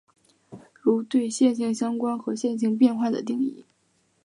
如对线性相关和线性变换的定义。